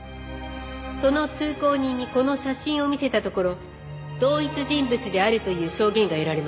その通行人にこの写真を見せたところ同一人物であるという証言が得られました。